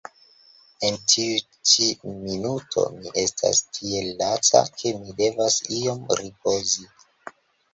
En tiu ĉi minuto mi estas tiel laca, ke mi devas iom ripozi.